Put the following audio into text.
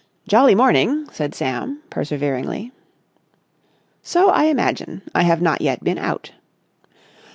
"Jolly morning," said Sam, perseveringly. "So I imagine. I have not yet been out."